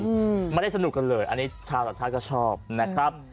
อืมไม่ได้สนุกกันเลยอันนี้ชาวต่างชาติก็ชอบนะครับ